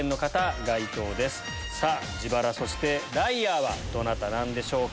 さぁ自腹そしてライアーはどなたなんでしょうか？